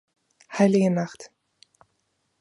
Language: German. Heilige Nacht!